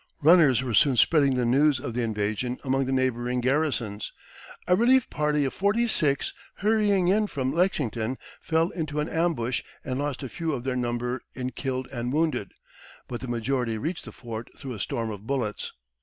Runners were soon spreading the news of the invasion among the neighboring garrisons. A relief party of forty six hurrying in from Lexington fell into an ambush and lost a few of their number in killed and wounded, but the majority reached the fort through a storm of bullets.